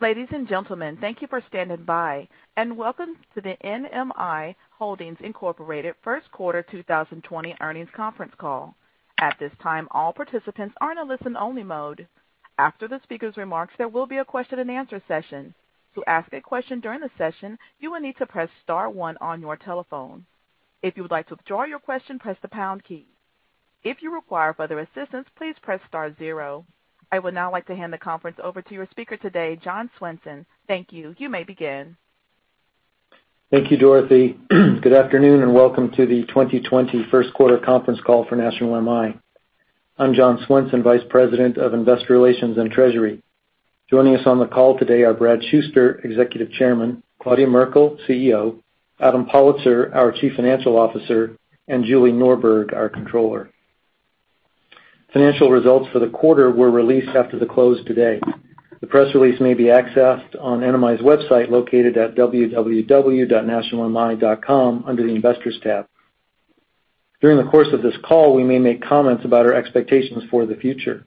Ladies and gentlemen, thank you for standing by and welcome to the NMI Holdings Incorporated first quarter 2020 earnings conference call. At this time, all participants are in a listen-only mode. After the speaker's remarks, there will be a question and answer session. To ask a question during the session, you will need to press star one on your telephone. If you would like to withdraw your question, press the pound key. If you require further assistance, please press star zero. I would now like to hand the conference over to your speaker today, John Swenson. Thank you. You may begin. Thank you, Dorothy. Good afternoon, and welcome to the 2020 first quarter conference call for National MI. I'm John Swenson, Vice President of Investor Relations and Treasury. Joining us on the call today are Bradley Shuster, Executive Chairman, Claudia Merkle, CEO, Adam Pollitzer, our Chief Financial Officer, and Julie Norberg, our Controller. Financial results for the quarter were released after the close today. The press release may be accessed on NMI's website located at www.nationalmi.com under the Investors tab. During the course of this call, we may make comments about our expectations for the future.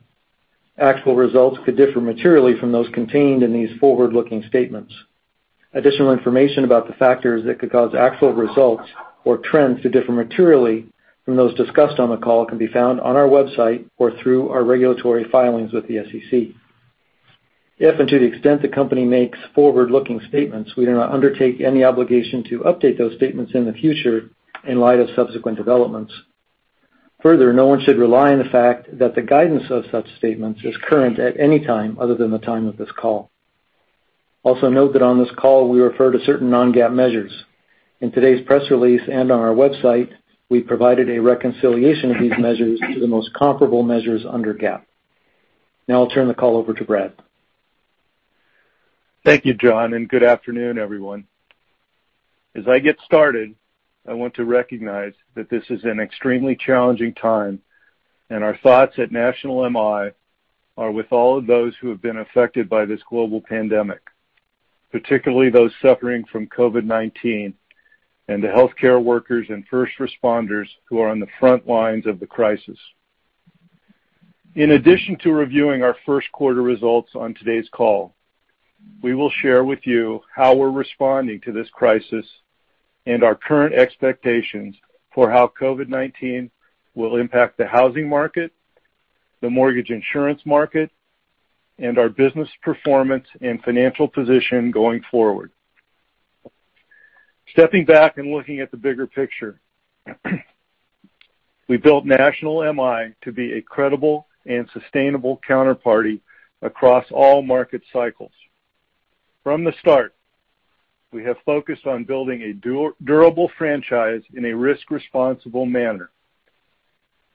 Actual results could differ materially from those contained in these forward-looking statements. Additional information about the factors that could cause actual results or trends to differ materially from those discussed on the call can be found on our website or through our regulatory filings with the SEC. If and to the extent the company makes forward-looking statements, we do not undertake any obligation to update those statements in the future in light of subsequent developments. No one should rely on the fact that the guidance of such statements is current at any time other than the time of this call. Note that on this call, we refer to certain non-GAAP measures. In today's press release and on our website, we provided a reconciliation of these measures to the most comparable measures under GAAP. I'll turn the call over to Brad. Thank you, John. Good afternoon, everyone. As I get started, I want to recognize that this is an extremely challenging time, and our thoughts at National MI are with all of those who have been affected by this global pandemic, particularly those suffering from COVID-19 and the healthcare workers and first responders who are on the front lines of the crisis. In addition to reviewing our first quarter results on today's call, we will share with you how we're responding to this crisis and our current expectations for how COVID-19 will impact the housing market, the mortgage insurance market, and our business performance and financial position going forward. Stepping back and looking at the bigger picture, we built National MI to be a credible and sustainable counterparty across all market cycles. From the start, we have focused on building a durable franchise in a risk-responsible manner.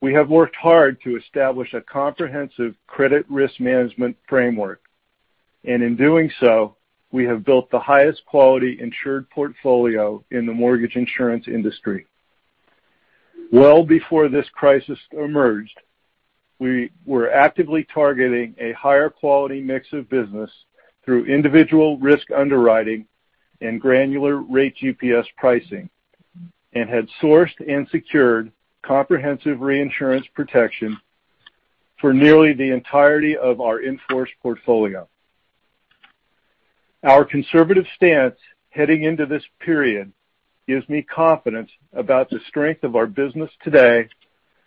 We have worked hard to establish a comprehensive credit risk management framework, and in doing so, we have built the highest quality insured portfolio in the mortgage insurance industry. Well before this crisis emerged, we were actively targeting a higher quality mix of business through individual risk underwriting and granular Rate GPS pricing and had sourced and secured comprehensive reinsurance protection for nearly the entirety of our in-force portfolio. Our conservative stance heading into this period gives me confidence about the strength of our business today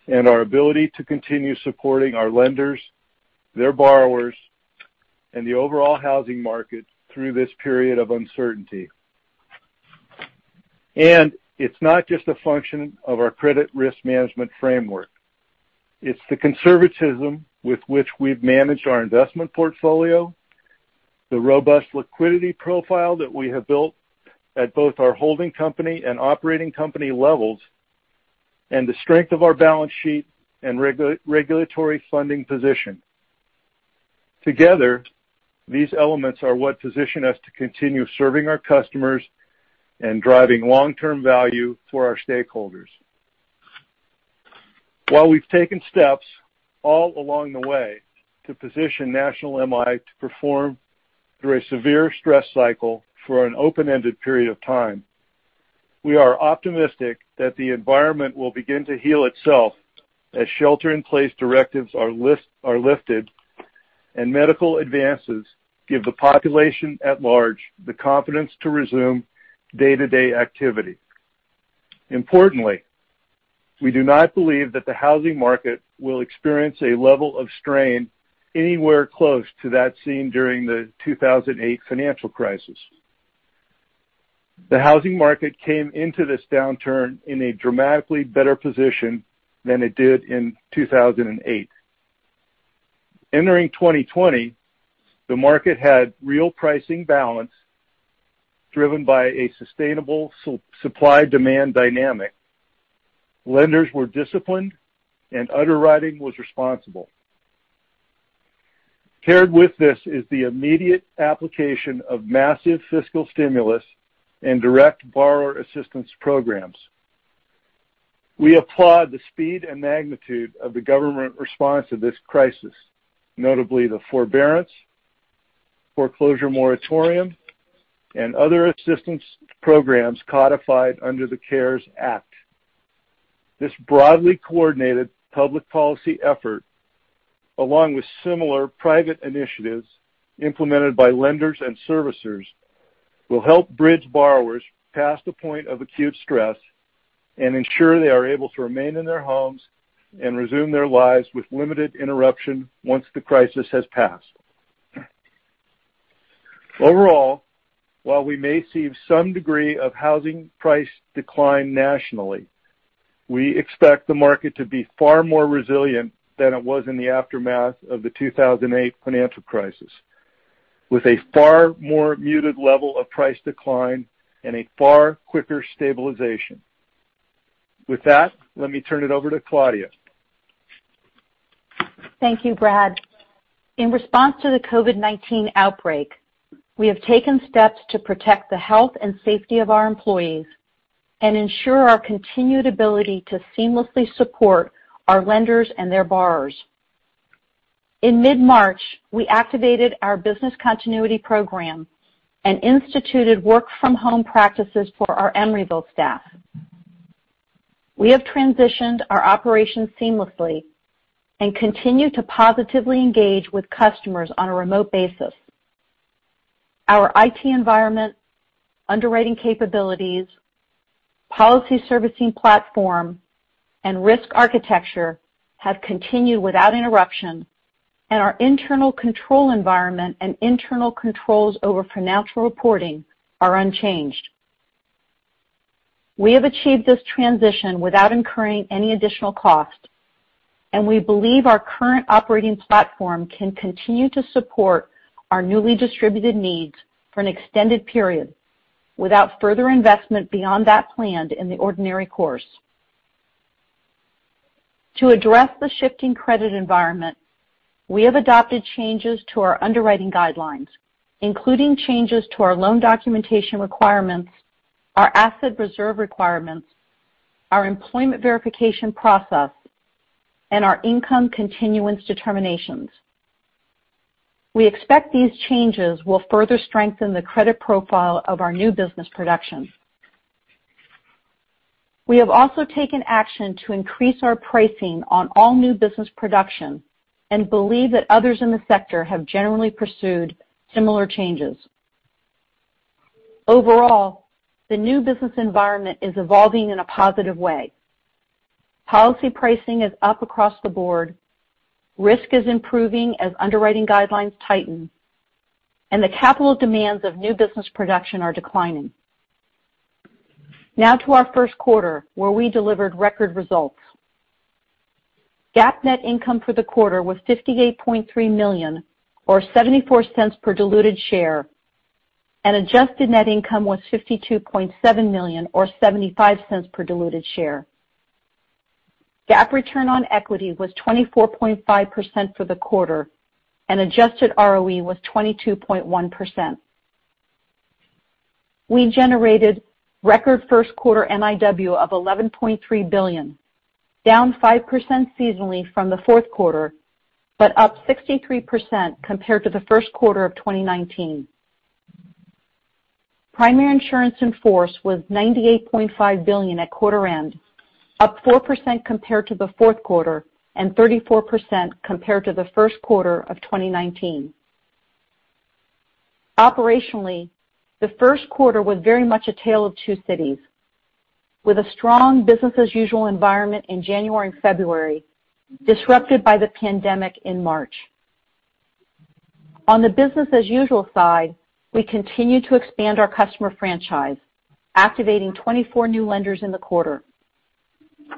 and our ability to continue supporting our lenders, their borrowers, and the overall housing market through this period of uncertainty. It's not just a function of our credit risk management framework. It's the conservatism with which we've managed our investment portfolio, the robust liquidity profile that we have built at both our holding company and operating company levels, and the strength of our balance sheet and regulatory funding position. Together, these elements are what position us to continue serving our customers and driving long-term value for our stakeholders. While we've taken steps all along the way to position National MI to perform through a severe stress cycle for an open-ended period of time, we are optimistic that the environment will begin to heal itself as shelter-in-place directives are lifted and medical advances give the population at large the confidence to resume day-to-day activity. Importantly, we do not believe that the housing market will experience a level of strain anywhere close to that seen during the 2008 financial crisis. The housing market came into this downturn in a dramatically better position than it did in 2008. Entering 2020, the market had real pricing balance driven by a sustainable supply-demand dynamic. Lenders were disciplined, and underwriting was responsible. Paired with this is the immediate application of massive fiscal stimulus and direct borrower assistance programs. We applaud the speed and magnitude of the government response to this crisis, notably the forbearance, foreclosure moratorium, and other assistance programs codified under the CARES Act. This broadly coordinated public policy effort, along with similar private initiatives implemented by lenders and servicers, will help bridge borrowers past the point of acute stress and ensure they are able to remain in their homes and resume their lives with limited interruption once the crisis has passed. Overall, while we may see some degree of housing price decline nationally, we expect the market to be far more resilient than it was in the aftermath of the 2008 financial crisis, with a far more muted level of price decline and a far quicker stabilization. With that, let me turn it over to Claudia. Thank you, Brad. In response to the COVID-19 outbreak, we have taken steps to protect the health and safety of our employees and ensure our continued ability to seamlessly support our lenders and their borrowers. In mid-March, we activated our business continuity program and instituted work-from-home practices for our MREB staff. We have transitioned our operations seamlessly and continue to positively engage with customers on a remote basis. Our IT environment, underwriting capabilities, policy servicing platform, and risk architecture have continued without interruption, and our internal control environment and internal controls over financial reporting are unchanged. We have achieved this transition without incurring any additional cost, and we believe our current operating platform can continue to support our newly distributed needs for an extended period without further investment beyond that planned in the ordinary course. To address the shifting credit environment, we have adopted changes to our underwriting guidelines, including changes to our loan documentation requirements, our asset reserve requirements, our employment verification process, and our income continuance determinations. We expect these changes will further strengthen the credit profile of our new business production. We have also taken action to increase our pricing on all new business production and believe that others in the sector have generally pursued similar changes. Overall, the new business environment is evolving in a positive way. Policy pricing is up across the board. Risk is improving as underwriting guidelines tighten, and the capital demands of new business production are declining. Now to our first quarter, where we delivered record results. GAAP net income for the quarter was $58.3 million, or $0.74 per diluted share, and adjusted net income was $52.7 million, or $0.75 per diluted share. GAAP return on equity was 24.5% for the quarter, and adjusted ROE was 22.1%. We generated record first quarter NIW of $11.3 billion, down 5% seasonally from the fourth quarter, but up 63% compared to the first quarter of 2019. Primary insurance in force was $98.5 billion at quarter end, up 4% compared to the fourth quarter and 34% compared to the first quarter of 2019. Operationally, the first quarter was very much a tale of two cities, with a strong business-as-usual environment in January and February disrupted by the pandemic in March. On the business-as-usual side, we continued to expand our customer franchise, activating 24 new lenders in the quarter.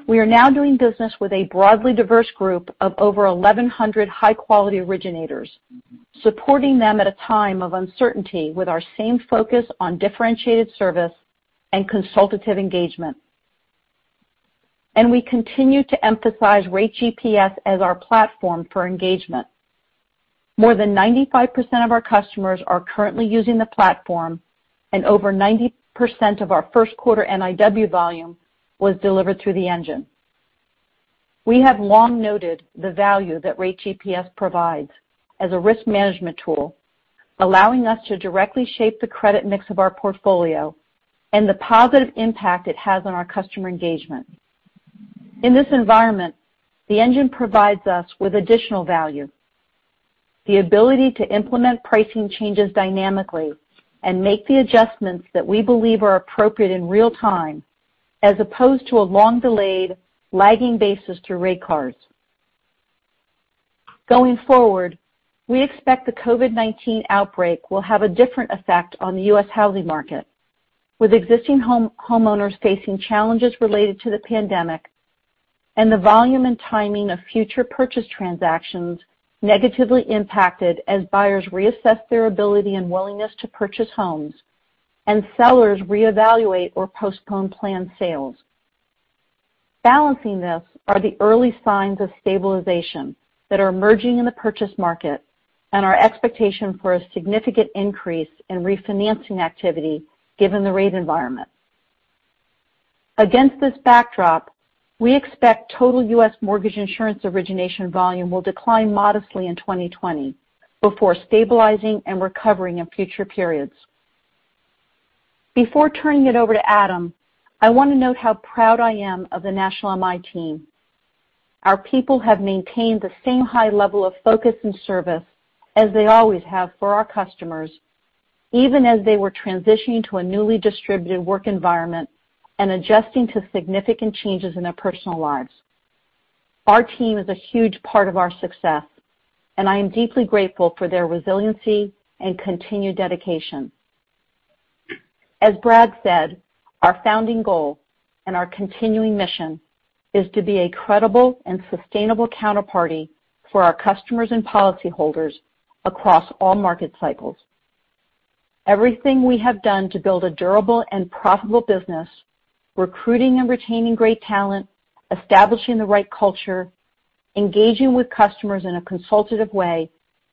We are now doing business with a broadly diverse group of over 1,100 high-quality originators, supporting them at a time of uncertainty with our same focus on differentiated service and consultative engagement. We continue to emphasize Rate GPS as our platform for engagement. More than 95% of our customers are currently using the platform, and over 90% of our first quarter NIW volume was delivered through the engine. We have long noted the value that Rate GPS provides as a risk management tool, allowing us to directly shape the credit mix of our portfolio and the positive impact it has on our customer engagement. In this environment, the engine provides us with additional value, the ability to implement pricing changes dynamically and make the adjustments that we believe are appropriate in real-time, as opposed to a long-delayed lagging basis through rate cards. Going forward, we expect the COVID-19 outbreak will have a different effect on the U.S. housing market, with existing homeowners facing challenges related to the pandemic and the volume and timing of future purchase transactions negatively impacted as buyers reassess their ability and willingness to purchase homes and sellers reevaluate or postpone planned sales. Balancing this are the early signs of stabilization that are emerging in the purchase market and our expectation for a significant increase in refinancing activity given the rate environment. Against this backdrop, we expect total U.S. mortgage insurance origination volume will decline modestly in 2020 before stabilizing and recovering in future periods. Turning it over to Adam, I want to note how proud I am of the National MI team. Our people have maintained the same high level of focus and service as they always have for our customers, even as they were transitioning to a newly distributed work environment and adjusting to significant changes in their personal lives. Our team is a huge part of our success, and I am deeply grateful for their resiliency and continued dedication. As Brad said, our founding goal and our continuing mission is to be a credible and sustainable counterparty for our customers and policyholders across all market cycles. Everything we have done to build a durable and profitable business, recruiting and retaining great talent, establishing the right culture, engaging with customers in a consultative way,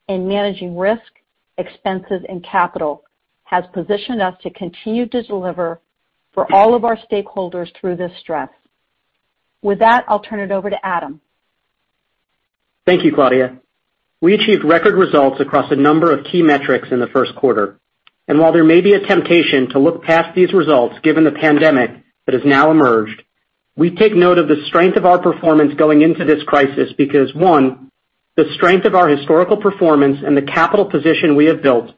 and managing risk, expenses, and capital, has positioned us to continue to deliver for all of our stakeholders through this stress. With that, I'll turn it over to Adam. Thank you, Claudia. We achieved record results across a number of key metrics in the first quarter. While there may be a temptation to look past these results, given the pandemic that has now emerged, we take note of the strength of our performance going into this crisis, because, one, the strength of our historical performance and the capital position we have built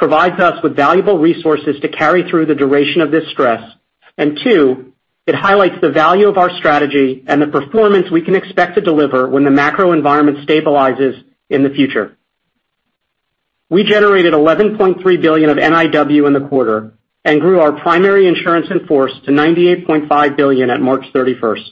provides us with valuable resources to carry through the duration of this stress. Two, it highlights the value of our strategy and the performance we can expect to deliver when the macro environment stabilizes in the future. We generated $11.3 billion of NIW in the quarter and grew our primary insurance in force to $98.5 billion at March 31st.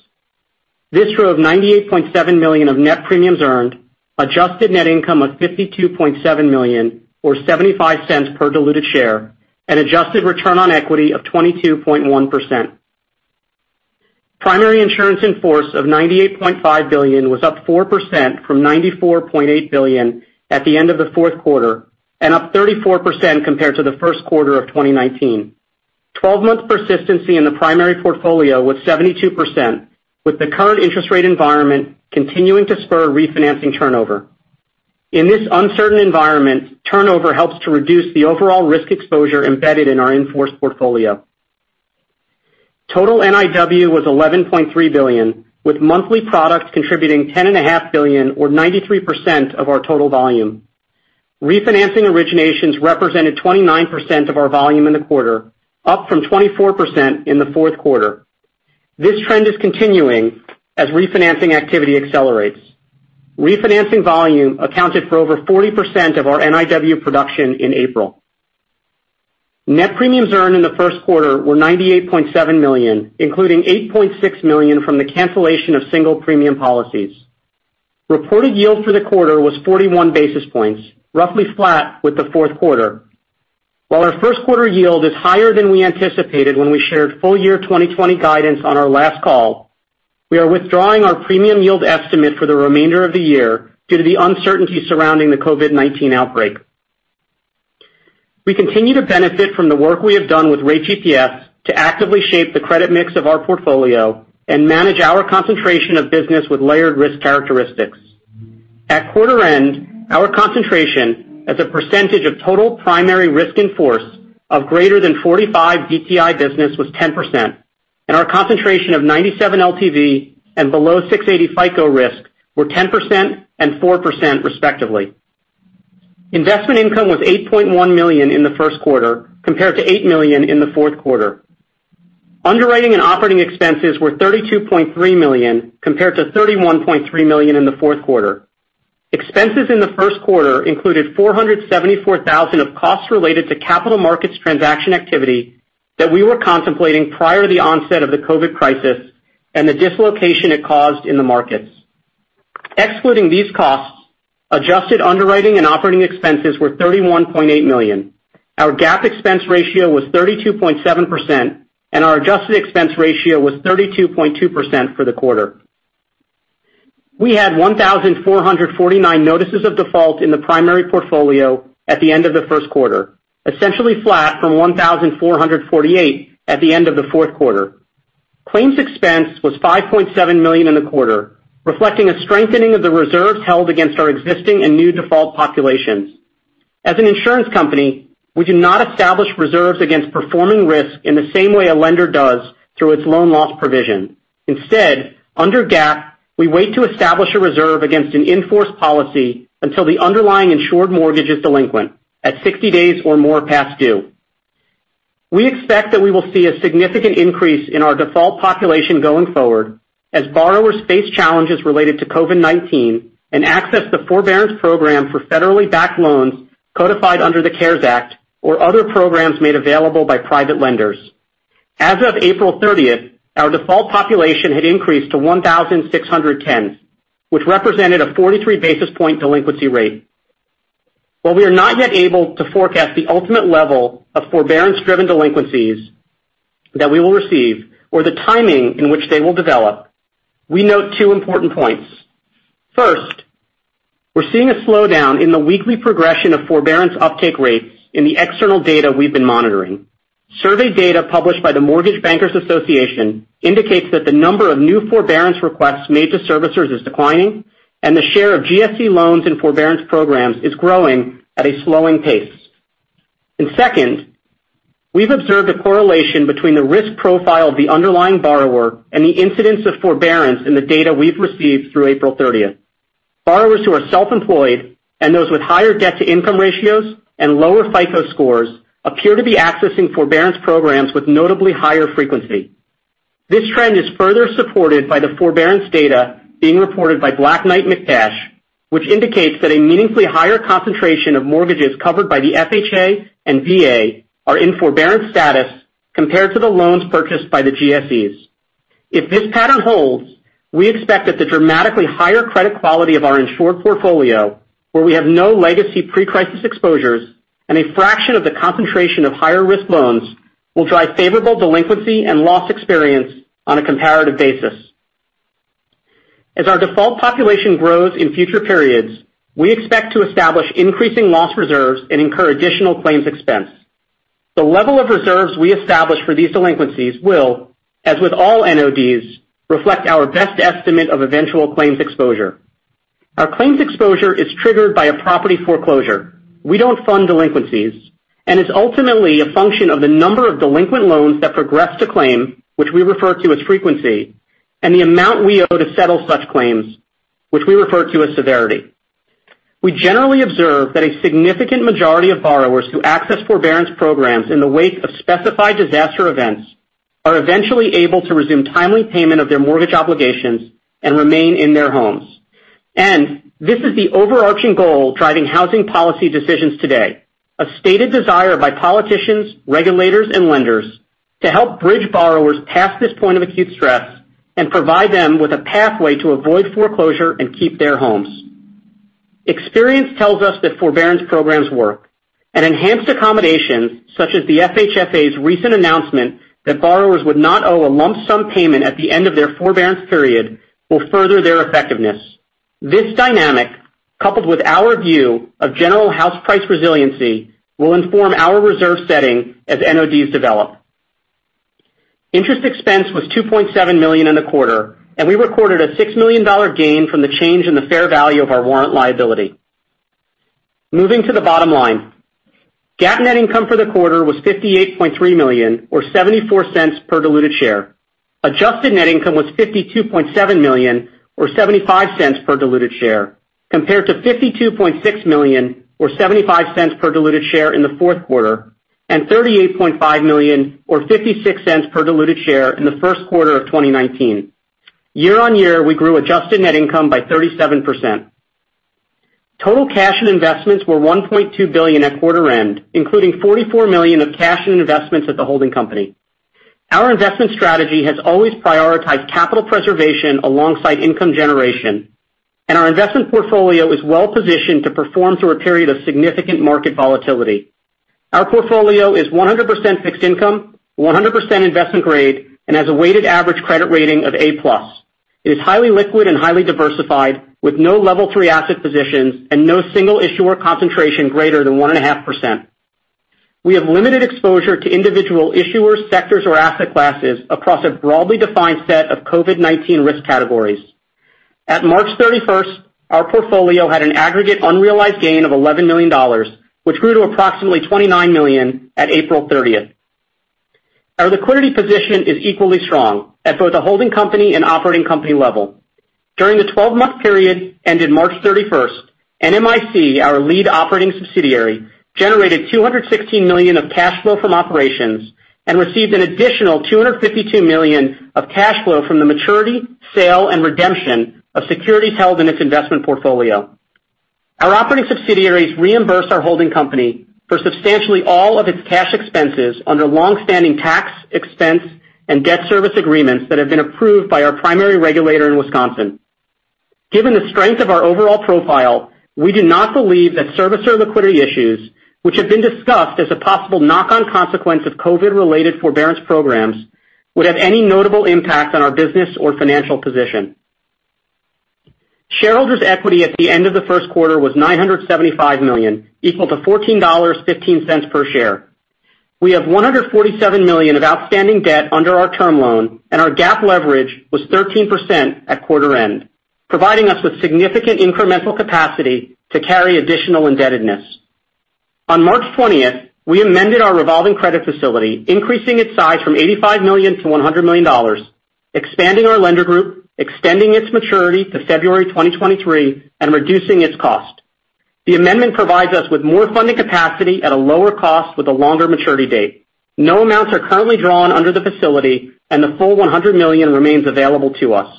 This drove $98.7 million of net premiums earned, adjusted net income of $52.7 million, or $0.75 per diluted share, and adjusted return on equity of 22.1%. Primary insurance in force of $98.5 billion was up 4% from $94.8 billion at the end of the fourth quarter, and up 34% compared to the first quarter of 2019. Twelve months persistency in the primary portfolio was 72%, with the current interest rate environment continuing to spur refinancing turnover. In this uncertain environment, turnover helps to reduce the overall risk exposure embedded in our in-force portfolio. Total NIW was $11.3 billion, with monthly products contributing $10.5 billion or 93% of our total volume. Refinancing originations represented 29% of our volume in the quarter, up from 24% in the fourth quarter. This trend is continuing as refinancing activity accelerates. Refinancing volume accounted for over 40% of our NIW production in April. Net premiums earned in the first quarter were $98.7 million, including $8.6 million from the cancellation of single premium policies. Reported yield for the quarter was 41 basis points, roughly flat with the fourth quarter. While our first quarter yield is higher than we anticipated when we shared full year 2020 guidance on our last call, we are withdrawing our premium yield estimate for the remainder of the year due to the uncertainty surrounding the COVID-19 outbreak. We continue to benefit from the work we have done with Rate GPS to actively shape the credit mix of our portfolio and manage our concentration of business with layered risk characteristics. At quarter end, our concentration as a percentage of total primary risk in force of greater than 45 DTI business was 10%, and our concentration of 97 LTV and below 680 FICO risk were 10% and 4%, respectively. Investment income was $8.1 million in the first quarter, compared to $8 million in the fourth quarter. Underwriting and operating expenses were $32.3 million, compared to $31.3 million in the fourth quarter. Expenses in the first quarter included $474,000 of costs related to capital markets transaction activity that we were contemplating prior to the onset of the COVID-19 crisis and the dislocation it caused in the markets. Excluding these costs, adjusted underwriting and operating expenses were $31.8 million. Our GAAP expense ratio was 32.7%, and our adjusted expense ratio was 32.2% for the quarter. We had 1,449 notices of default in the primary portfolio at the end of the first quarter, essentially flat from 1,448 at the end of the fourth quarter. Claims expense was $5.7 million in the quarter, reflecting a strengthening of the reserves held against our existing and new default populations. As an insurance company, we do not establish reserves against performing risk in the same way a lender does through its loan loss provision. Instead, under GAAP, we wait to establish a reserve against an in-force policy until the underlying insured mortgage is delinquent, at 60 days or more past due. We expect that we will see a significant increase in our default population going forward as borrowers face challenges related to COVID-19 and access the forbearance program for federally backed loans codified under the CARES Act or other programs made available by private lenders. As of April 30th, our default population had increased to 1,610, which represented a 43-basis point delinquency rate. While we are not yet able to forecast the ultimate level of forbearance-driven delinquencies that we will receive or the timing in which they will develop, we note two important points. First, we're seeing a slowdown in the weekly progression of forbearance uptake rates in the external data we've been monitoring. Survey data published by the Mortgage Bankers Association indicates that the number of new forbearance requests made to servicers is declining. The share of GSE loans and forbearance programs is growing at a slowing pace. Second, we've observed a correlation between the risk profile of the underlying borrower and the incidence of forbearance in the data we've received through April 30th. Borrowers who are self-employed and those with higher debt-to-income ratios and lower FICO scores appear to be accessing forbearance programs with notably higher frequency. This trend is further supported by the forbearance data being reported by Black Knight McDash, which indicates that a meaningfully higher concentration of mortgages covered by the FHA and VA are in forbearance status compared to the loans purchased by the GSEs. If this pattern holds, we expect that the dramatically higher credit quality of our insured portfolio, where we have no legacy pre-crisis exposures and a fraction of the concentration of higher-risk loans, will drive favorable delinquency and loss experience on a comparative basis. As our default population grows in future periods, we expect to establish increasing loss reserves and incur additional claims expense. The level of reserves we establish for these delinquencies will, as with all NODs, reflect our best estimate of eventual claims exposure. Our claims exposure is triggered by a property foreclosure. We don't fund delinquencies and is ultimately a function of the number of delinquent loans that progress to claim, which we refer to as frequency, and the amount we owe to settle such claims, which we refer to as severity. We generally observe that a significant majority of borrowers who access forbearance programs in the wake of specified disaster events are eventually able to resume timely payment of their mortgage obligations and remain in their homes. This is the overarching goal driving housing policy decisions today, a stated desire by politicians, regulators, and lenders to help bridge borrowers past this point of acute stress and provide them with a pathway to avoid foreclosure and keep their homes. Experience tells us that forbearance programs work, and enhanced accommodations such as the FHFA's recent announcement that borrowers would not owe a lump sum payment at the end of their forbearance period will further their effectiveness. This dynamic, coupled with our view of general house price resiliency, will inform our reserve setting as NODs develop. Interest expense was $2.7 million in the quarter. We recorded a $6 million gain from the change in the fair value of our warrant liability. Moving to the bottom line. GAAP net income for the quarter was $58.3 million, or $0.74 per diluted share. Adjusted net income was $52.7 million or $0.75 per diluted share, compared to $52.6 million or $0.75 per diluted share in the fourth quarter and $38.5 million or $0.56 per diluted share in the first quarter of 2019. Year-over-year, we grew adjusted net income by 37%. Total cash and investments were $1.2 billion at quarter end, including $44 million of cash and investments at the holding company. Our investment strategy has always prioritized capital preservation alongside income generation. Our investment portfolio is well-positioned to perform through a period of significant market volatility. Our portfolio is 100% fixed income, 100% investment grade, and has a weighted average credit rating of A+. It is highly liquid and highly diversified with no level three asset positions and no single issuer concentration greater than 1.5%. We have limited exposure to individual issuers, sectors, or asset classes across a broadly defined set of COVID-19 risk categories. At March 31st, our portfolio had an aggregate unrealized gain of $11 million, which grew to approximately $29 million at April 30th. Our liquidity position is equally strong at both the holding company and operating company level. During the 12-month period ended March 31st, NMIC, our lead operating subsidiary, generated $216 million of cash flow from operations and received an additional $252 million of cash flow from the maturity, sale, and redemption of securities held in its investment portfolio. Our operating subsidiaries reimburse our holding company for substantially all of its cash expenses under long-standing tax expense and debt service agreements that have been approved by our primary regulator in Wisconsin. Given the strength of our overall profile, we do not believe that servicer liquidity issues, which have been discussed as a possible knock-on consequence of COVID-related forbearance programs, would have any notable impact on our business or financial position. shareholders' equity at the end of the first quarter was $975 million, equal to $14.15 per share. We have $147 million of outstanding debt under our term loan, and our GAAP leverage was 13% at quarter end, providing us with significant incremental capacity to carry additional indebtedness. On March 20th, we amended our revolving credit facility, increasing its size from $85 million to $100 million, expanding our lender group, extending its maturity to February 2023, and reducing its cost. The amendment provides us with more funding capacity at a lower cost with a longer maturity date. No amounts are currently drawn under the facility, and the $100 million remains available to us.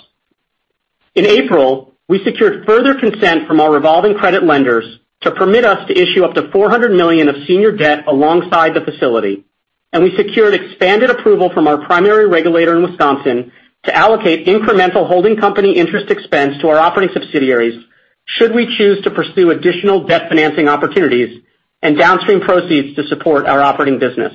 In April, we secured further consent from our revolving credit lenders to permit us to issue up to $400 million of senior debt alongside the facility, and we secured expanded approval from our primary regulator in Wisconsin to allocate incremental holding company interest expense to our operating subsidiaries should we choose to pursue additional debt financing opportunities and downstream proceeds to support our operating business.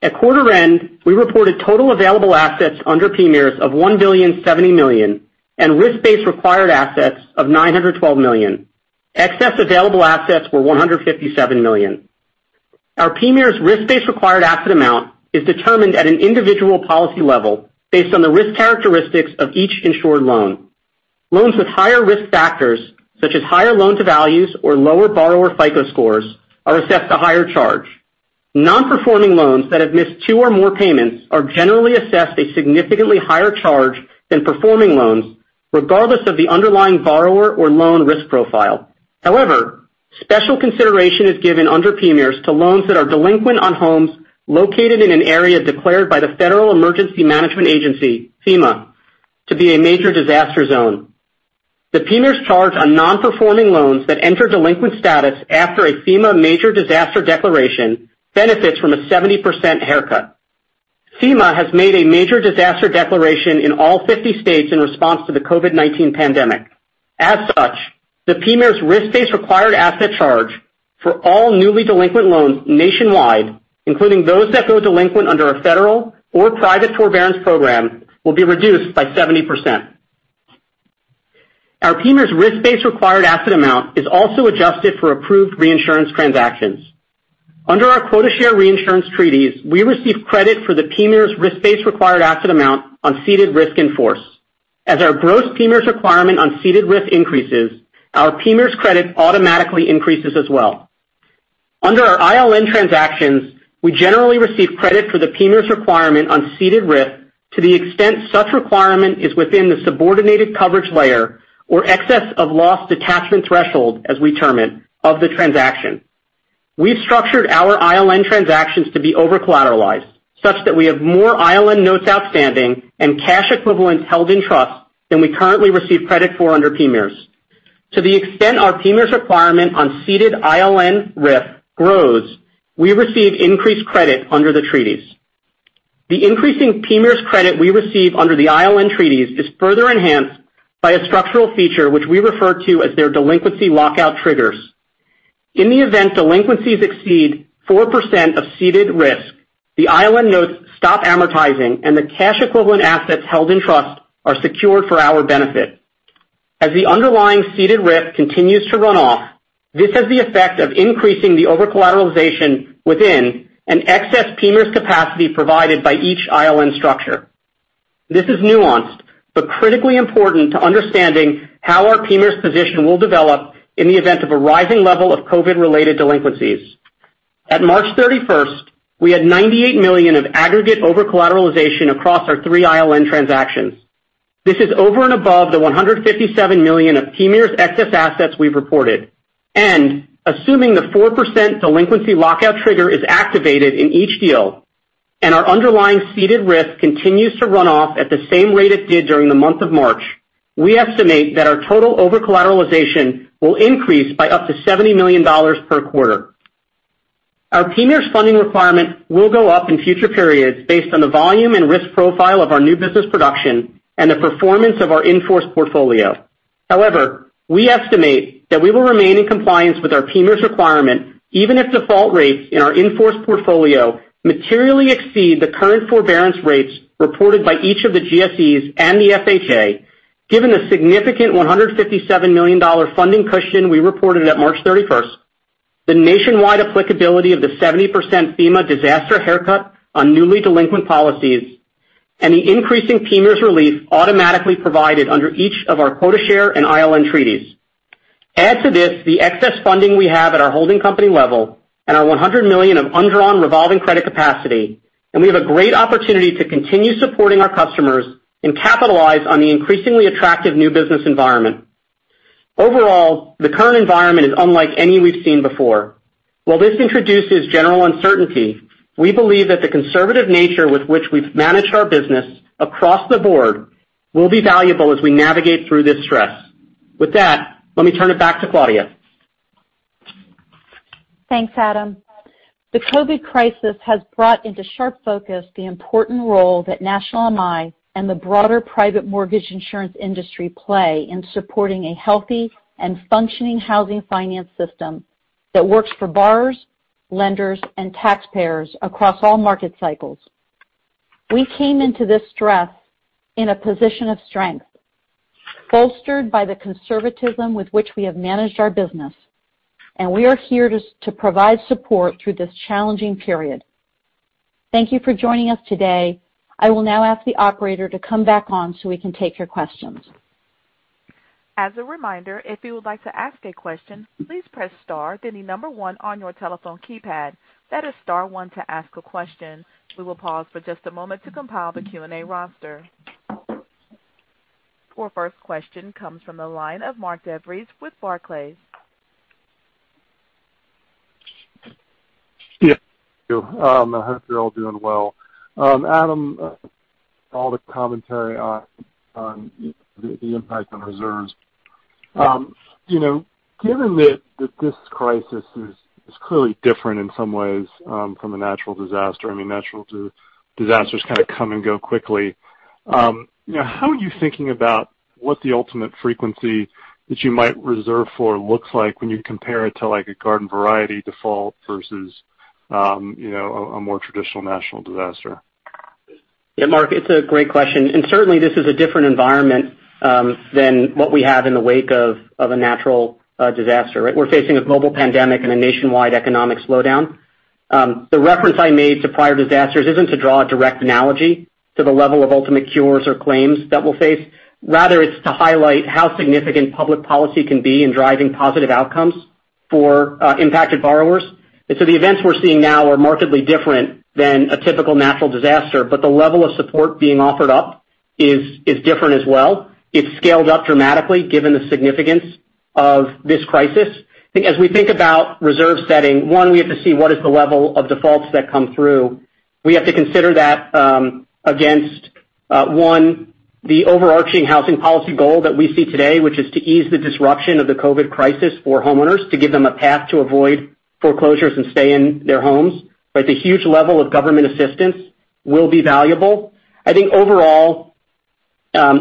At quarter end, we reported total available assets under PMIERs of $1.07 billion and risk-based required assets of $912 million. Excess available assets were $157 million. Our PMIERs risk-based required asset amount is determined at an individual policy level based on the risk characteristics of each insured loan. Loans with higher risk factors, such as higher loan-to-values or lower borrower FICO scores, are assessed a higher charge. Non-performing loans that have missed two or more payments are generally assessed a significantly higher charge than performing loans, regardless of the underlying borrower or loan risk profile. However, special consideration is given under PMIERs to loans that are delinquent on homes located in an area declared by the Federal Emergency Management Agency, FEMA, to be a major disaster zone. The PMIERs charge on non-performing loans that enter delinquent status after a FEMA major disaster declaration benefits from a 70% haircut. FEMA has made a major disaster declaration in all 50 states in response to the COVID-19 pandemic. As such, the PMIERs risk-based required asset charge for all newly delinquent loans nationwide, including those that go delinquent under a federal or private forbearance program, will be reduced by 70%. Our PMIERs risk-based required asset amount is also adjusted for approved reinsurance transactions. Under our quota share reinsurance treaties, we receive credit for the PMIERs risk-based required asset amount on ceded risk in force. As our gross PMIERs requirement on ceded risk increases, our PMIERs credit automatically increases as well. Under our ILN transactions, we generally receive credit for the PMIERs requirement on ceded risk to the extent such requirement is within the subordinated coverage layer or excess of loss detachment threshold, as we term it, of the transaction. We've structured our ILN transactions to be over-collateralized, such that we have more ILN notes outstanding and cash equivalents held in trust than we currently receive credit for under PMIERs. To the extent our PMIERs requirement on ceded ILN risk grows, we receive increased credit under the treaties. The increasing PMIERs credit we receive under the ILN treaties is further enhanced by a structural feature which we refer to as their delinquency lockout triggers. In the event delinquencies exceed 4% of ceded risk, the ILN notes stop amortizing and the cash equivalent assets held in trust are secured for our benefit. As the underlying ceded risk continues to run off, this has the effect of increasing the over-collateralization within an excess PMIERs capacity provided by each ILN structure. This is nuanced, but critically important to understanding how our PMIERs position will develop in the event of a rising level of COVID-related delinquencies. At March 31st, we had $98 million of aggregate over-collateralization across our three ILN transactions. This is over and above the $157 million of PMIERs excess assets we've reported, and assuming the 4% delinquency lockout trigger is activated in each deal, and our underlying ceded risk continues to run off at the same rate it did during the month of March, we estimate that our total over-collateralization will increase by up to $70 million per quarter. Our PMIERs funding requirement will go up in future periods based on the volume and risk profile of our new business production and the performance of our in-force portfolio. We estimate that we will remain in compliance with our PMIERs requirement, even if default rates in our in-force portfolio materially exceed the current forbearance rates reported by each of the GSEs and the FHA, given the significant $157 million funding cushion we reported at March 31st, the nationwide applicability of the 70% FEMA disaster haircut on newly delinquent policies, and the increasing PMIERs relief automatically provided under each of our quota share and ILN treaties. Add to this the excess funding we have at our holding company level and our $100 million of undrawn revolving credit capacity, we have a great opportunity to continue supporting our customers and capitalize on the increasingly attractive new business environment. Overall, the current environment is unlike any we've seen before. While this introduces general uncertainty, we believe that the conservative nature with which we've managed our business across the board will be valuable as we navigate through this stress. With that, let me turn it back to Claudia. Thanks, Adam. The COVID crisis has brought into sharp focus the important role that National MI and the broader private mortgage insurance industry play in supporting a healthy and functioning housing finance system that works for borrowers, lenders, and taxpayers across all market cycles. We came into this stress in a position of strength, bolstered by the conservatism with which we have managed our business, and we are here to provide support through this challenging period. Thank you for joining us today. I will now ask the operator to come back on so we can take your questions. As a reminder, if you would like to ask a question, please press star, then the number 1 on your telephone keypad. That is star 1 to ask a question. We will pause for just a moment to compile the Q&A roster. Our first question comes from the line of Mark DeVries with Barclays. Yeah. I hope you're all doing well. Adam, all the commentary on the impact on reserves. Given that this crisis is clearly different in some ways from a natural disaster, natural disasters kind of come and go quickly. How are you thinking about what the ultimate frequency that you might reserve for looks like when you compare it to a garden variety default versus a more traditional national disaster? Yeah, Mark, it's a great question, and certainly this is a different environment than what we have in the wake of a natural disaster, right? We're facing a global pandemic and a nationwide economic slowdown. The reference I made to prior disasters isn't to draw a direct analogy to the level of ultimate cures or claims that we'll face. Rather, it's to highlight how significant public policy can be in driving positive outcomes for impacted borrowers. The events we're seeing now are markedly different than a typical natural disaster, but the level of support being offered up is different as well. It's scaled up dramatically given the significance of this crisis. As we think about reserve setting, one, we have to see what is the level of defaults that come through. We have to consider that against, one, the overarching housing policy goal that we see today, which is to ease the disruption of the COVID crisis for homeowners, to give them a path to avoid foreclosures and stay in their homes. Right? The huge level of government assistance will be valuable. I think overall,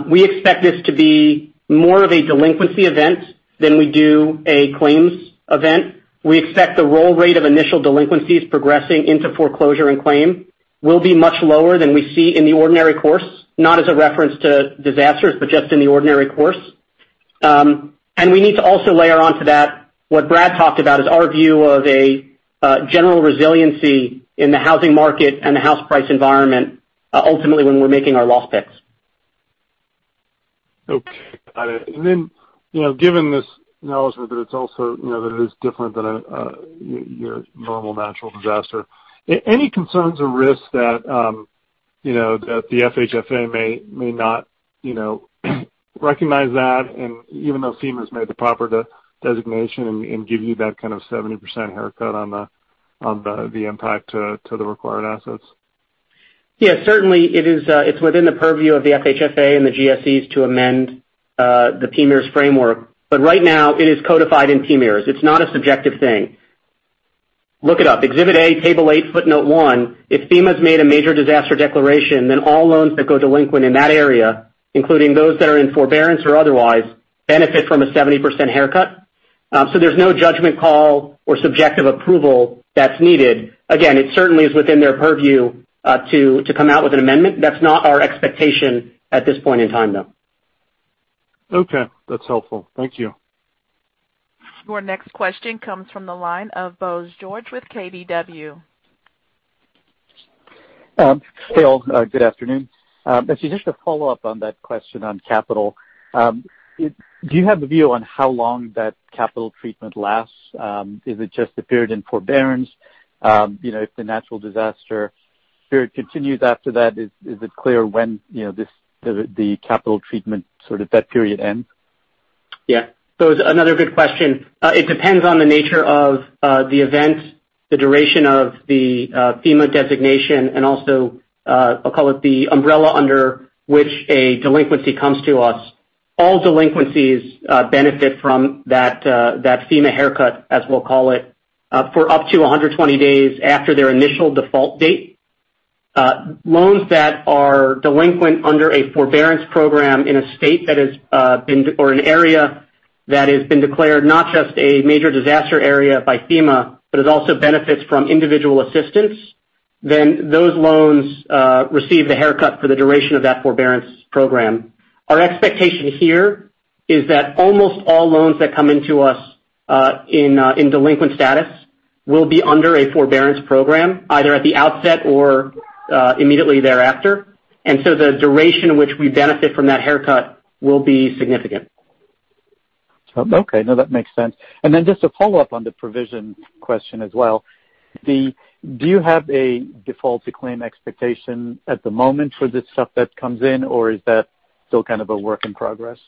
we expect this to be more of a delinquency event than we do a claims event. We expect the roll rate of initial delinquencies progressing into foreclosure and claim will be much lower than we see in the ordinary course, not as a reference to disasters, but just in the ordinary course. We need to also layer onto that what Brad talked about is our view of a general resiliency in the housing market and the house price environment ultimately when we're making our loss picks. Okay, got it. Given this acknowledgement that it is different than your normal natural disaster, any concerns or risks that the FHFA may not recognize that, even though FEMA's made the proper designation and give you that kind of 70% haircut on the impact to the required assets? Yeah, certainly it's within the purview of the FHFA and the GSEs to amend the PMIERs framework. Right now it is codified in PMIERs. It's not a subjective thing. Look it up. Exhibit A, table eight, footnote one. If FEMA's made a major disaster declaration, all loans that go delinquent in that area, including those that are in forbearance or otherwise, benefit from a 70% haircut. There's no judgment call or subjective approval that's needed. Again, it certainly is within their purview to come out with an amendment. That's not our expectation at this point in time, though. Okay. That's helpful. Thank you. Your next question comes from the line of Bose George with KBW. Hey all. Good afternoon. Actually, just to follow up on that question on capital. Do you have a view on how long that capital treatment lasts? Is it just the period in forbearance? If the natural disaster period continues after that, is it clear when the capital treatment sort of that period ends? It's another good question. It depends on the nature of the event, the duration of the FEMA designation, and also, I'll call it the umbrella under which a delinquency comes to us. All delinquencies benefit from that FEMA haircut, as we'll call it, for up to 120 days after their initial default date. Loans that are delinquent under a forbearance program in a state or an area that has been declared not just a major disaster area by FEMA, but it also benefits from individual assistance, those loans receive the haircut for the duration of that forbearance program. Our expectation here is that almost all loans that come into us in delinquent status will be under a forbearance program, either at the outset or immediately thereafter. The duration in which we benefit from that haircut will be significant. Okay. No, that makes sense. Just to follow up on the provision question as well, do you have a default-to-claim expectation at the moment for this stuff that comes in, or is that still kind of a work in progress?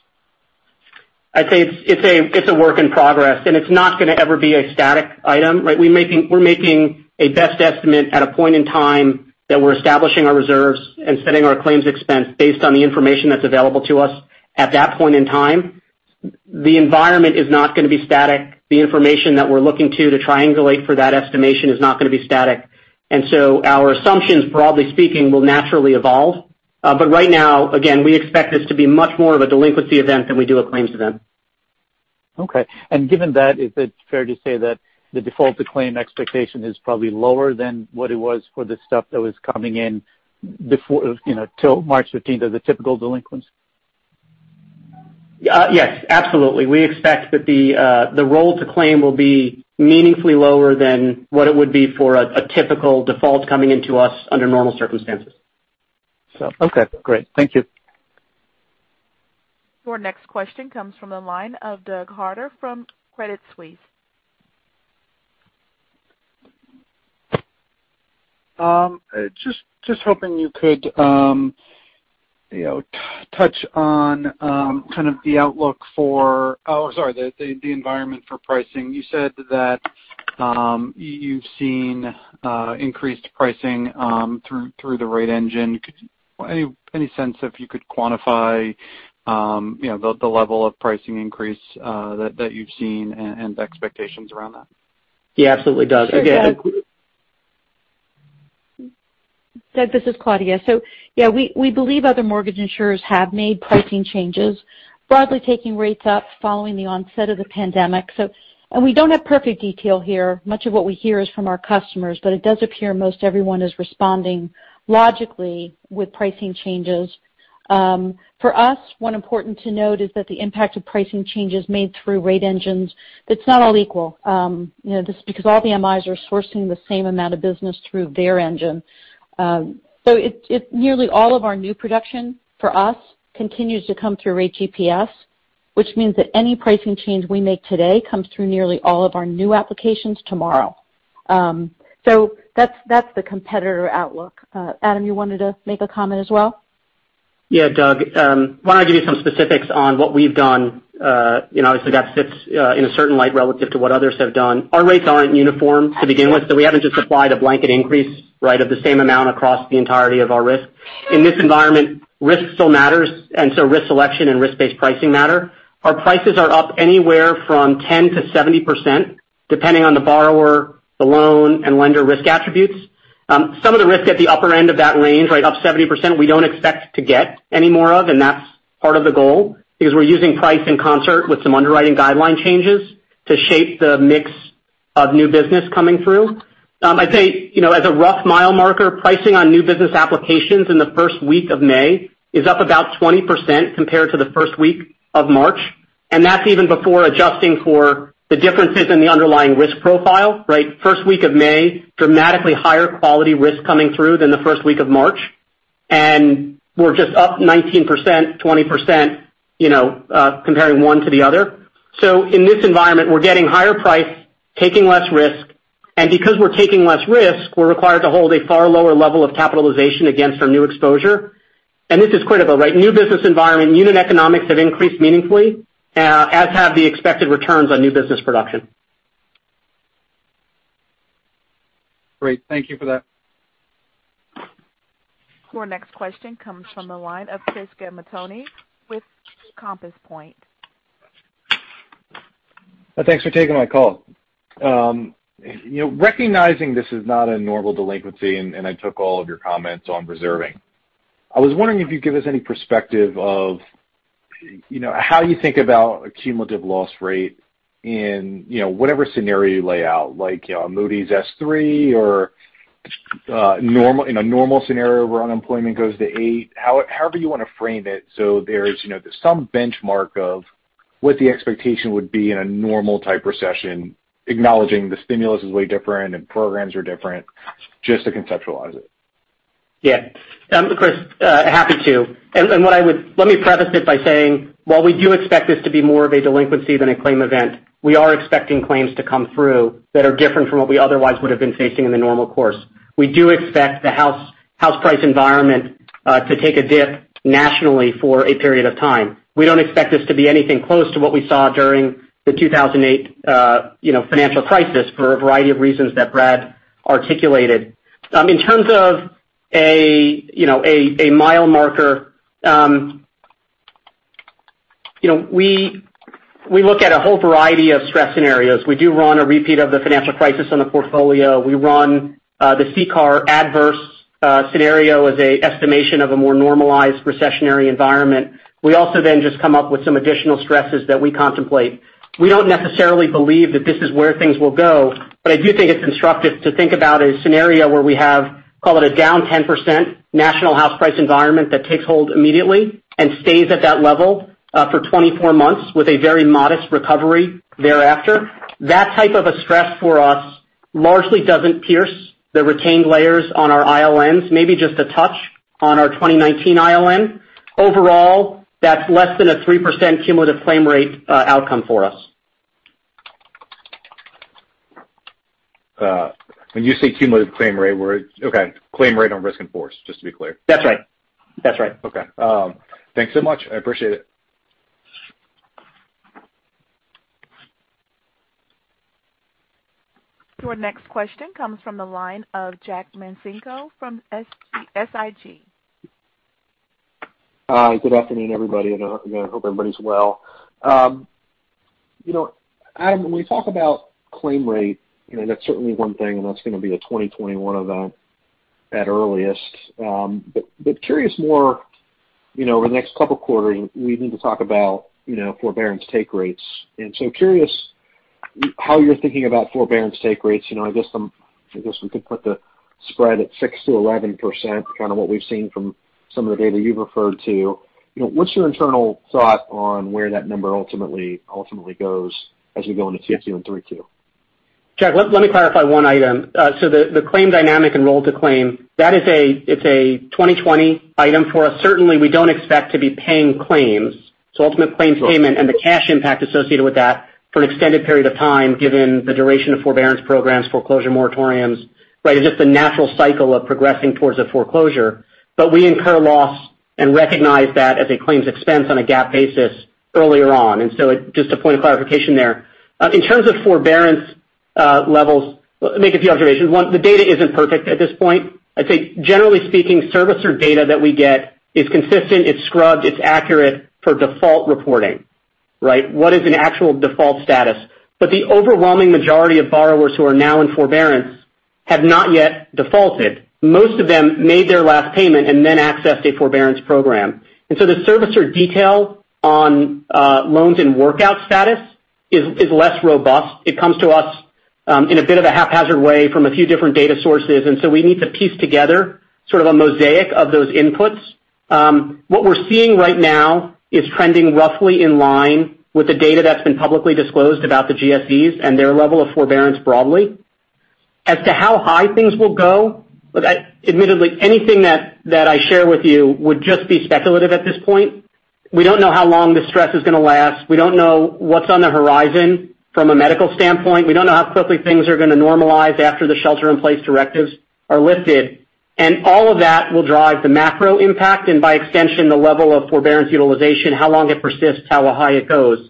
I'd say it's a work in progress, and it's not going to ever be a static item, right? We're making a best estimate at a point in time that we're establishing our reserves and setting our claims expense based on the information that's available to us at that point in time. The environment is not going to be static. The information that we're looking to triangulate for that estimation is not going to be static. Our assumptions, broadly speaking, will naturally evolve. Right now, again, we expect this to be much more of a delinquency event than we do a claims event. Okay. Given that, is it fair to say that the default-to-claim expectation is probably lower than what it was for the stuff that was coming in till March 15th of the typical delinquents? Yes, absolutely. We expect that the roll to claim will be meaningfully lower than what it would be for a typical default coming into us under normal circumstances. Okay, great. Thank you. Your next question comes from the line of Douglas Harter from Credit Suisse. Just hoping you could touch on kind of, oh, sorry, the environment for pricing? You said that you've seen increased pricing through the rate engine. Any sense if you could quantify the level of pricing increase that you've seen and expectations around that? Yeah, absolutely, Doug. Doug, this is Claudia. Yeah, we believe other mortgage insurers have made pricing changes. Broadly taking rates up following the onset of the pandemic. We don't have perfect detail here. Much of what we hear is from our customers, but it does appear most everyone is responding logically with pricing changes. For us, one important to note is that the impact of pricing changes made through rate engines, that's not all equal. All the MIs are sourcing the same amount of business through their engine. Nearly all of our new production for us continues to come through Rate GPS. Which means that any pricing change we make today comes through nearly all of our new applications tomorrow. That's the competitor outlook. Adam, you wanted to make a comment as well? Yeah, Doug. Why don't I give you some specifics on what we've done. Obviously, that sits in a certain light relative to what others have done. Our rates aren't uniform to begin with, so we haven't just applied a blanket increase, right, of the same amount across the entirety of our risk. In this environment, risk still matters, and so risk selection and risk-based pricing matter. Our prices are up anywhere from 10%-70%, depending on the borrower, the loan, and lender risk attributes. Some of the risk at the upper end of that range, right, up 70%, we don't expect to get any more of, and that's part of the goal. Because we're using price in concert with some underwriting guideline changes to shape the mix of new business coming through. I'd say, as a rough mile marker, pricing on new business applications in the first week of May is up about 20% compared to the first week of March. That's even before adjusting for the differences in the underlying risk profile, right? First week of May, dramatically higher quality risk coming through than the first week of March. We're just up 19%, 20%, comparing one to the other. In this environment, we're getting higher price, taking less risk, and because we're taking less risk, we're required to hold a far lower level of capitalization against our new exposure. This is critical, right? New business environment, unit economics have increased meaningfully, as have the expected returns on new business production. Great. Thank you for that. Your next question comes from the line of Chris Gamaitoni with Compass Point. Thanks for taking my call. Recognizing this is not a normal delinquency, and I took all of your comments on reserving. I was wondering if you'd give us any perspective of how you think about a cumulative loss rate in whatever scenario you lay out, like Moody's S3 or in a normal scenario where unemployment goes to eight. However you want to frame it, so there's some benchmark of what the expectation would be in a normal type recession, acknowledging the stimulus is way different and programs are different, just to conceptualize it. Yeah. Chris, happy to. Let me preface it by saying, while we do expect this to be more of a delinquency than a claim event, we are expecting claims to come through that are different from what we otherwise would have been facing in the normal course. We do expect the house price environment to take a dip nationally for a period of time. We don't expect this to be anything close to what we saw during the 2008 financial crisis, for a variety of reasons that Brad articulated. In terms of a mile marker, we look at a whole variety of stress scenarios. We do run a repeat of the financial crisis on a portfolio. We run the CCAR adverse scenario as an estimation of a more normalized recessionary environment. We also just come up with some additional stresses that we contemplate. We don't necessarily believe that this is where things will go, but I do think it's constructive to think about a scenario where we have, call it a down 10% national house price environment that takes hold immediately and stays at that level for 24 months with a very modest recovery thereafter. That type of a stress for us largely doesn't pierce the retained layers on our ILNs. Maybe just a touch on our 2019 ILN. Overall, that's less than a 3% cumulative claim rate outcome for us. When you say cumulative claim rate, okay, claim rate on risk in force, just to be clear. That's right. Okay. Thanks so much. I appreciate it. Your next question comes from the line of Jack Micenko from SIG. Hi. Good afternoon, everybody. I hope everybody's well. Adam, when we talk about claim rate, that's certainly one thing, and that's going to be a 2021 event at earliest. Curious more, over the next couple of quarters, we need to talk about forbearance take rates. Curious how you're thinking about forbearance take rates. I guess we could put the spread at 6%-11%, kind of what we've seen from some of the data you've referred to. What's your internal thought on where that number ultimately goes as we go into Q2 and Q3? Jack, let me clarify one item. The claim dynamic enroll to claim, that is a 2020 item for us. Certainly, we don't expect to be paying claims. Ultimate claims payment and the cash impact associated with that for an extended period of time, given the duration of forbearance programs, foreclosure moratoriums. It's just the natural cycle of progressing towards a foreclosure. We incur loss and recognize that as a claims expense on a GAAP basis earlier on. Just a point of clarification there. In terms of forbearance levels, make a few observations. One, the data isn't perfect at this point. I'd say, generally speaking, servicer data that we get is consistent, it's scrubbed, it's accurate for default reporting. Right. What is an actual default status? The overwhelming majority of borrowers who are now in forbearance have not yet defaulted. Most of them made their last payment and then accessed a forbearance program. The servicer detail on loans and workout status is less robust. It comes to us in a bit of a haphazard way from a few different data sources, we need to piece together sort of a mosaic of those inputs. What we're seeing right now is trending roughly in line with the data that's been publicly disclosed about the GSEs and their level of forbearance broadly. As to how high things will go, admittedly, anything that I share with you would just be speculative at this point. We don't know how long the stress is going to last. We don't know what's on the horizon from a medical standpoint. We don't know how quickly things are going to normalize after the shelter-in-place directives are lifted. All of that will drive the macro impact and by extension, the level of forbearance utilization, how long it persists, how high it goes.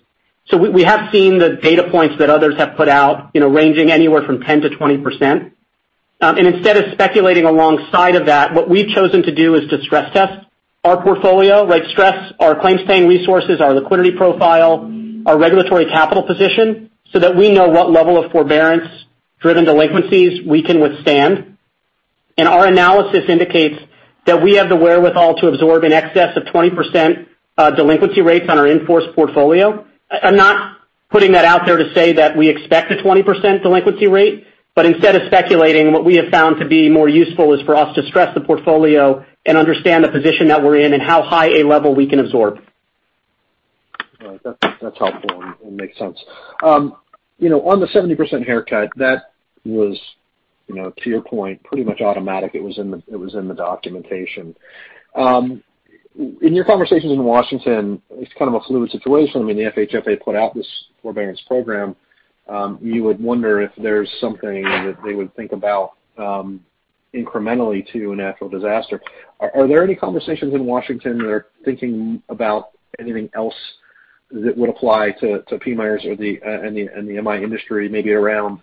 We have seen the data points that others have put out, ranging anywhere from 10% to 20%. Instead of speculating alongside of that, what we've chosen to do is to stress-test our portfolio, stress our claims-paying resources, our liquidity profile, our regulatory capital position, so that we know what level of forbearance-driven delinquencies we can withstand. Our analysis indicates that we have the wherewithal to absorb in excess of 20% delinquency rates on our in-force portfolio. I'm not putting that out there to say that we expect a 20% delinquency rate. Instead of speculating, what we have found to be more useful is for us to stress the portfolio and understand the position that we're in and how high a level we can absorb. All right. That's helpful and makes sense. On the 70% haircut, that was, to your point, pretty much automatic. It was in the documentation. In your conversations in Washington, it's kind of a fluid situation. I mean, the FHFA put out this forbearance program. You would wonder if there's something that they would think about incrementally to a natural disaster. Are there any conversations in Washington that are thinking about anything else that would apply to PMIERs and the MI industry, maybe around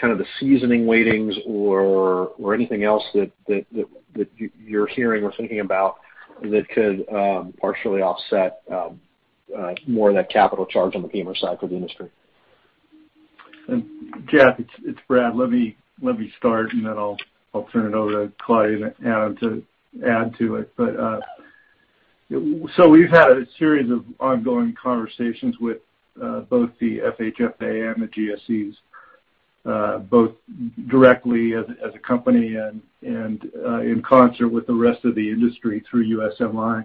kind of the seasoning weightings or anything else that you're hearing or thinking about that could partially offset more of that capital charge on the PMIER side for the industry? Jack, it's Brad. Let me start, and then I'll turn it over to Claudia and Adam to add to it. We've had a series of ongoing conversations with both the FHFA and the GSEs, both directly as a company and in concert with the rest of the industry through USMI.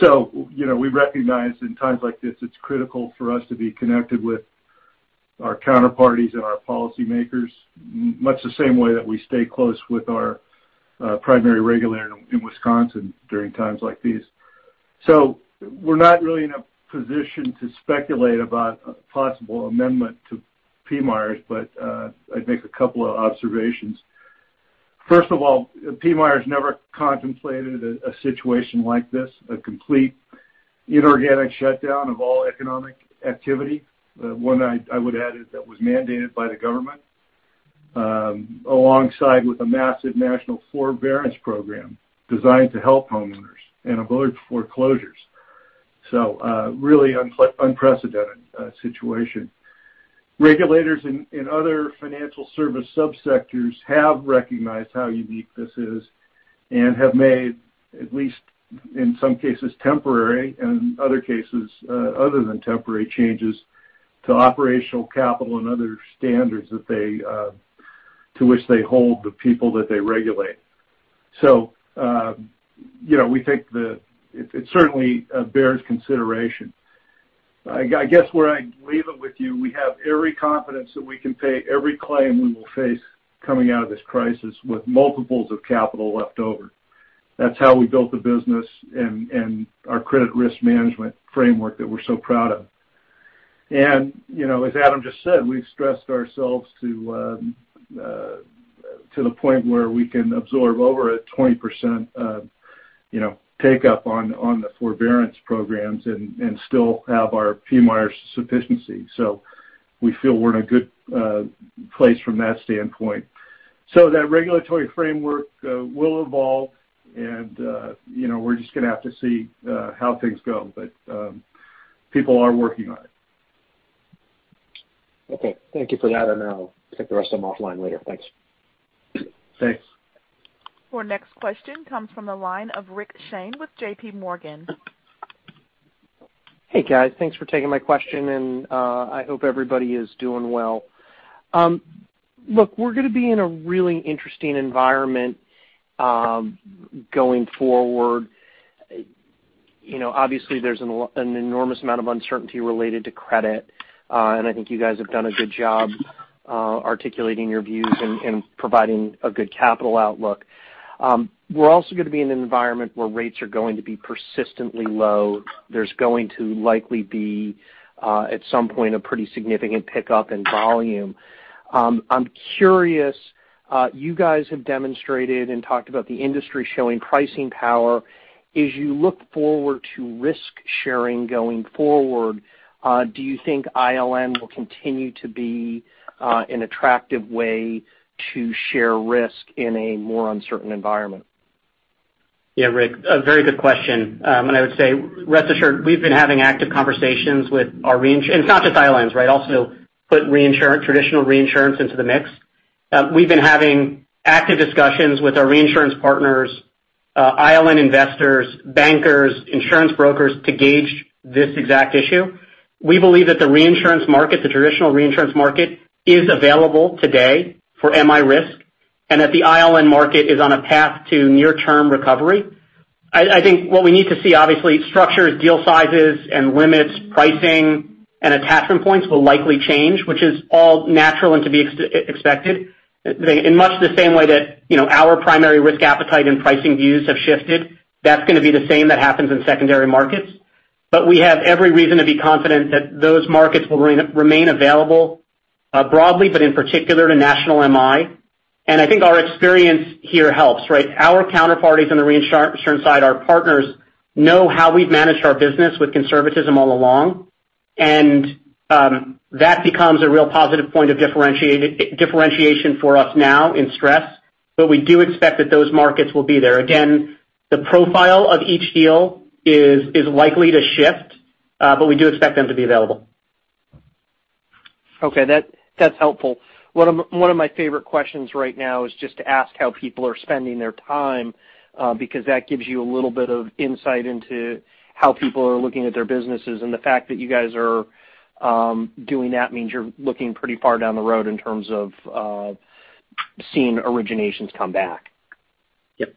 We recognize in times like this, it's critical for us to be connected with our counterparties and our policymakers, much the same way that we stay close with our primary regulator in Wisconsin during times like these. We're not really in a position to speculate about a possible amendment to PMIERs, but I'd make a couple of observations. First of all, PMIERs never contemplated a situation like this, a complete inorganic shutdown of all economic activity. One, I would add, that was mandated by the government, alongside with a massive national forbearance program designed to help homeowners and avoid foreclosures. A really unprecedented situation. Regulators in other financial service subsectors have recognized how unique this is and have made, at least in some cases, temporary, and other cases other than temporary changes to operational capital and other standards to which they hold the people that they regulate. We think that it certainly bears consideration. I guess where I leave it with you, we have every confidence that we can pay every claim we will face coming out of this crisis with multiples of capital left over. That's how we built the business and our credit risk management framework that we're so proud of. As Adam just said, we've stressed ourselves to the point where we can absorb over a 20% take up on the forbearance programs and still have our PMIERs sufficiency. We feel we're in a good place from that standpoint. That regulatory framework will evolve and we're just going to have to see how things go. People are working on it. Okay. Thank you for that. I'll take the rest of them offline later. Thanks. Thanks. Our next question comes from the line of Richard Shane with J.P. Morgan. Hey, guys. Thanks for taking my question. I hope everybody is doing well. Look, we're going to be in a really interesting environment going forward. Obviously, there's an enormous amount of uncertainty related to credit. I think you guys have done a good job articulating your views and providing a good capital outlook. We're also going to be in an environment where rates are going to be persistently low. There's going to likely be, at some point, a pretty significant pickup in volume. I'm curious. You guys have demonstrated and talked about the industry showing pricing power. As you look forward to risk sharing going forward, do you think ILN will continue to be an attractive way to share risk in a more uncertain environment? Yeah, Rick, a very good question. I would say rest assured, we've been having active conversations with our reinsurance. It's not just ILNs, right? Also put traditional reinsurance into the mix. We've been having active discussions with our reinsurance partners, ILN investors, bankers, insurance brokers to gauge this exact issue. We believe that the reinsurance market, the traditional reinsurance market, is available today for MI risk, and that the ILN market is on a path to near-term recovery. I think what we need to see, obviously, structures, deal sizes and limits, pricing, and attachment points will likely change, which is all natural and to be expected. In much the same way that our primary risk appetite and pricing views have shifted, that's going to be the same that happens in secondary markets. We have every reason to be confident that those markets will remain available broadly, but in particular to National MI. I think our experience here helps, right? Our counterparties on the reinsurance side, our partners know how we've managed our business with conservatism all along, and that becomes a real positive point of differentiation for us now in stress. We do expect that those markets will be there. Again, the profile of each deal is likely to shift, but we do expect them to be available. Okay, that's helpful. One of my favorite questions right now is just to ask how people are spending their time, because that gives you a little bit of insight into how people are looking at their businesses. The fact that you guys are doing that means you're looking pretty far down the road in terms of seeing originations come back. Yep.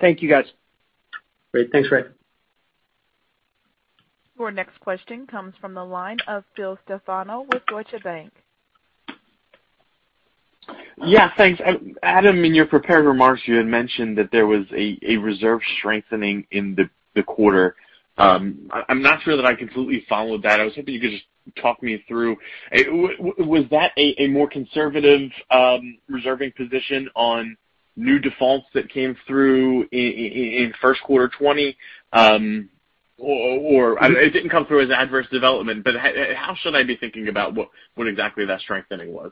Thank you, guys. Great. Thanks, Rick. Your next question comes from the line of Philip Stefano with Deutsche Bank. Yeah, thanks. Adam, in your prepared remarks, you had mentioned that there was a reserve strengthening in the quarter. I'm not sure that I completely followed that. I was hoping you could just talk me through. Was that a more conservative reserving position on new defaults that came through in first quarter 2020? It didn't come through as adverse development, but how should I be thinking about what exactly that strengthening was?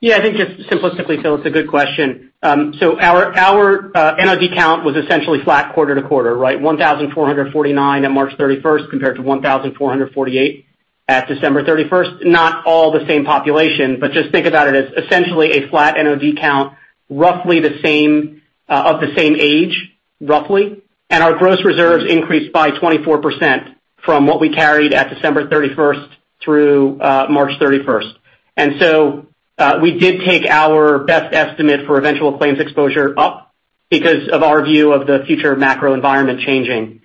Yeah, I think just simplistically, Phil, it's a good question. Our NOD count was essentially flat quarter-to-quarter, right? 1,449 at March 31st compared to 1,448 at December 31st. Not all the same population, just think about it as essentially a flat NOD count of the same age, roughly. Our gross reserves increased by 24% from what we carried at December 31st through March 31st. We did take our best estimate for eventual claims exposure up because of our view of the future macro environment changing.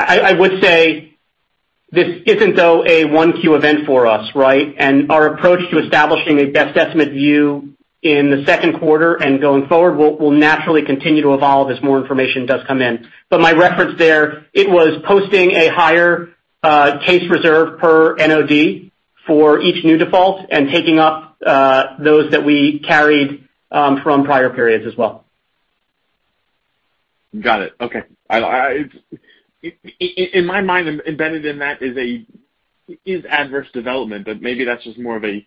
I would say this isn't though a 1 Q event for us, right? Our approach to establishing a best estimate view in the second quarter and going forward will naturally continue to evolve as more information does come in. My reference there, it was posting a higher case reserve per NOD for each new default and taking up those that we carried from prior periods as well. Got it. Okay. In my mind embedded in that is adverse development, maybe that's just more of a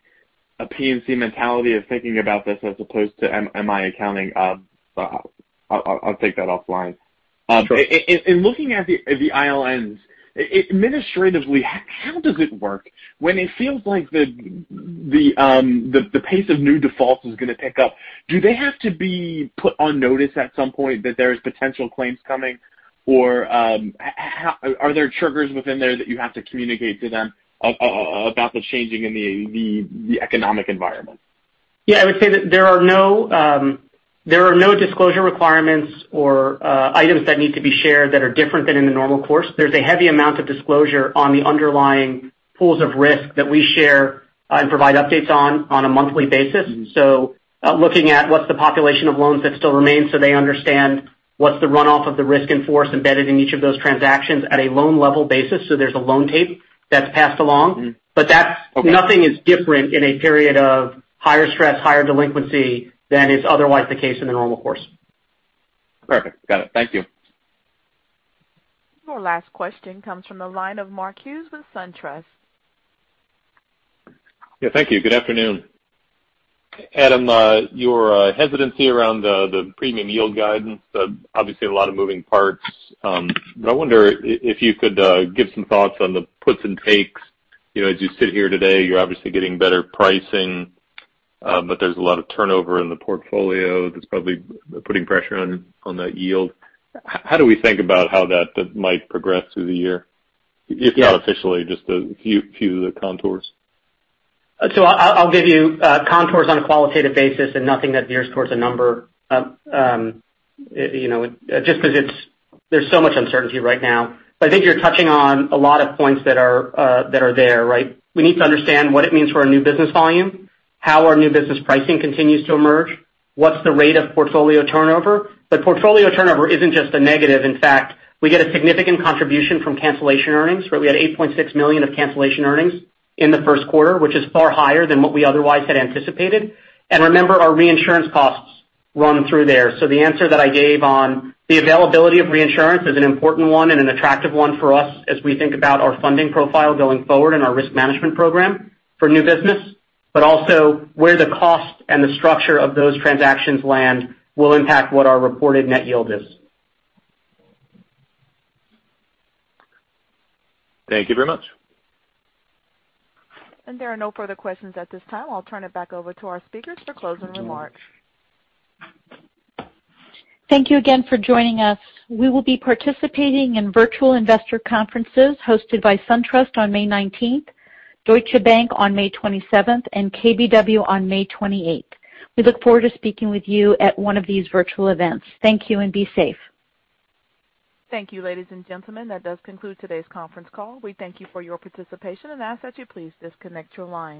P&C mentality of thinking about this as opposed to MI accounting. I'll take that offline. Sure. In looking at the ILNs, administratively, how does it work when it feels like the pace of new defaults is going to pick up? Do they have to be put on notice at some point that there's potential claims coming? Are there triggers within there that you have to communicate to them about the changing in the economic environment? Yeah, I would say that there are no disclosure requirements or items that need to be shared that are different than in the normal course. There's a heavy amount of disclosure on the underlying pools of risk that we share and provide updates on a monthly basis. Looking at what's the population of loans that still remain so they understand what's the runoff of the risk in force embedded in each of those transactions at a loan level basis. There's a loan tape that's passed along. Okay. Nothing is different in a period of higher stress, higher delinquency than is otherwise the case in the normal course. Perfect. Got it. Thank you. Your last question comes from the line of Mark Hughes with SunTrust. Thank you. Good afternoon. Adam, your hesitancy around the premium yield guidance, obviously a lot of moving parts. I wonder if you could give some thoughts on the puts and takes. As you sit here today, you're obviously getting better pricing. There's a lot of turnover in the portfolio that's probably putting pressure on that yield. How do we think about how that might progress through the year? If not officially, just a few of the contours. I'll give you contours on a qualitative basis and nothing that veers towards a number. Just because there's so much uncertainty right now. I think you're touching on a lot of points that are there, right? We need to understand what it means for our new business volume, how our new business pricing continues to emerge. What's the rate of portfolio turnover? Portfolio turnover isn't just a negative. In fact, we get a significant contribution from cancellation earnings, right? We had $8.6 million of cancellation earnings in the first quarter, which is far higher than what we otherwise had anticipated. Remember, our reinsurance costs run through there. The answer that I gave on the availability of reinsurance is an important one and an attractive one for us as we think about our funding profile going forward and our risk management program for new business. Also where the cost and the structure of those transactions land will impact what our reported net yield is. Thank you very much. There are no further questions at this time. I'll turn it back over to our speakers for closing remarks. Thank you again for joining us. We will be participating in virtual investor conferences hosted by SunTrust on May 19th, Deutsche Bank on May 27th, and KBW on May 28th. We look forward to speaking with you at one of these virtual events. Thank you, and be safe. Thank you, ladies and gentlemen. That does conclude today's conference call. We thank you for your participation and ask that you please disconnect your line.